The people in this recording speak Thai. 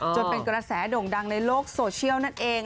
จนเป็นกระแสโด่งดังในโลกโซเชียลนั่นเอง